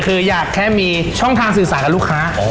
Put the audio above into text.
คืออยากแค่มีช่องทางสื่อสารกับลูกค้า